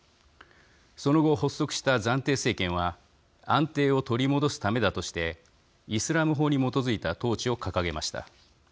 その後発足した暫定政権は安定を取り戻すためだとしてイスラム法に基づいた統治を掲げました。